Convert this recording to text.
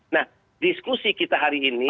nah diskusi kita hari ini